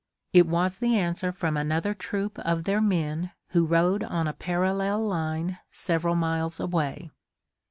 It was the answer from another troop of their men who rode on a parallel line several miles away.